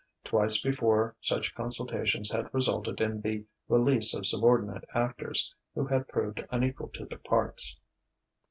Twice before, such consultations had resulted in the release of subordinate actors who had proved unequal to their parts.